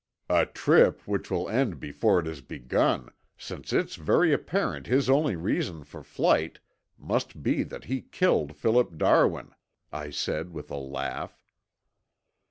"A trip which will end before it has begun, since it's very apparent his only reason for flight must be that he killed Philip Darwin," I said with a laugh.